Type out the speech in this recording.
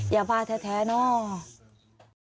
อย่าพาแท้เนอะ